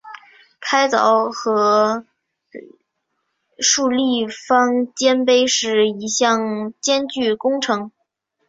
开凿和竖立方尖碑是一项艰巨工程。